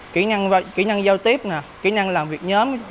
kỹ năng giao tiếp kỹ năng làm việc